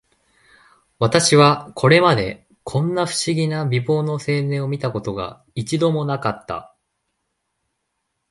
私はこれまで、こんな不思議な美貌の青年を見た事が、一度も無かった